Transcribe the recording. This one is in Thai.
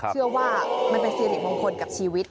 เชื่อว่ามันเป็นสิริมงคลกับชีวิต